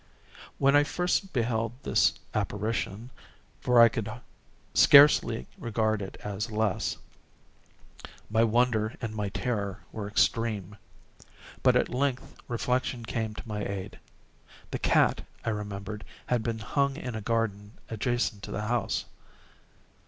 When I first beheld this apparition—for I could scarcely regard it as less—my wonder and my terror were extreme. But at length reflection came to my aid. The cat, I remembered, had been hung in a garden adjacent to the house.